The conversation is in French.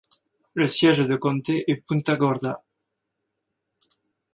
Le siège de comté est Punta Gorda.